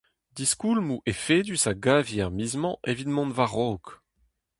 Diskoulmoù efedus a gavi er miz-mañ evit mont war-raok.